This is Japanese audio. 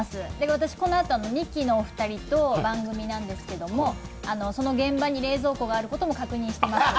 私、このあとミキのお二人と番組なんですけど、その現場に冷蔵庫があることも確認しています。